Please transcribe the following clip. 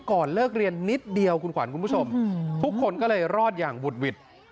ก่อนเลิกเรียนนิดเดียวคุณขวัญคุณผู้ชมทุกคนก็เลยรอดอย่างบุดหวิด